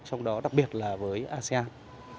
trong đó đặc biệt là với asean